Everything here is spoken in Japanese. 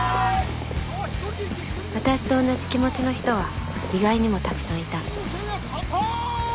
私と同じ気持ちの人は意外にもたくさんいた親友契約反対！